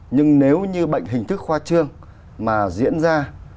nhưng nếu như bệnh hình thức hoa trương mà diễn ra